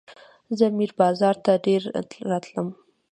زه میر بازار ته ډېر راتلم.